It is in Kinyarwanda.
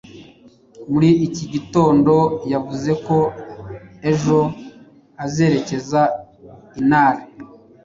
Muri iki gitondo yavuze ko ejo azerekeza i Nara.